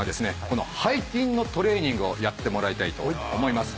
この背筋のトレーニングをやってもらいたいと思います。